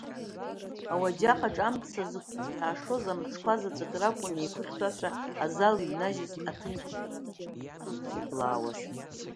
Ауаџьаҟ аҿы амцабз зкәҵәишоз амҿқәа заҵәык ракәын еиқәыхьшәашәа азал иҩнажьыз аҭынчра нкылзыблаауаз.